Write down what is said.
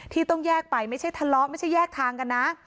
ที่ต้องแยกไปไม่ใช่ทะเลาะไม่ใช่แยกทางกันนะ